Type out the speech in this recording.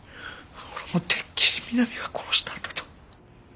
俺もうてっきり美波が殺したんだと。